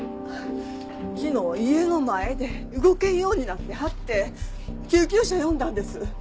昨日家の前で動けんようになってはって救急車呼んだんです。